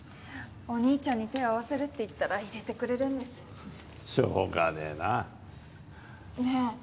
お兄ちゃんに手を合わせるって言ったら入れてくれるんですしょうがねえなねえ